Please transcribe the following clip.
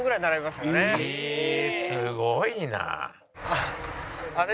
「すごいな」